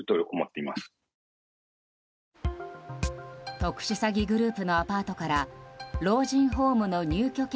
特殊詐欺グループのアパートから老人ホームの入居権